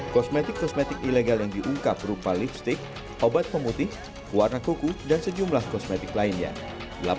kosmetik kosmetik ilegal yang diungkap berupa lipstick obat pemutih warna kuku dan sejumlah kosmetik lainnya